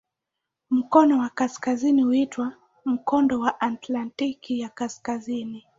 Mkono wa kaskazini huitwa "Mkondo wa Atlantiki ya Kaskazini".